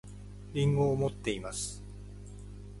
りんごを持っています